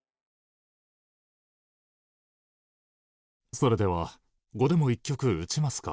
それでは碁でも一局打ちますか？